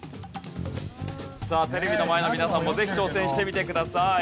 さあテレビの前の皆さんもぜひ挑戦してみてください。